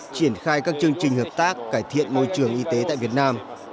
triển khai các chương trình hợp tác cải thiện môi trường y tế tại việt nam